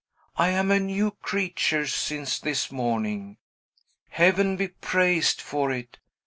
"I am a new creature, since this morning, Heaven be praised for it!